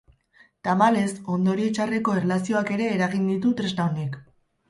Tamalez, ondorio txarreko erlazioak ere eragin ditu tresna honek.